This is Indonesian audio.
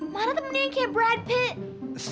mana temennya yang kayak brad pitt